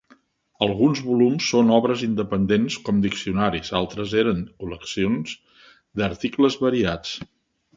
Alguns volums són obres independents com diccionaris, altres eren col·leccions d'articles variats.